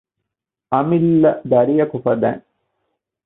އަމިއްލަ ދަރިއަކު ފަދައިން